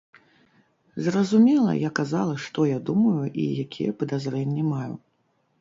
Зразумела, я казала, што я думаю і якія падазрэнні маю.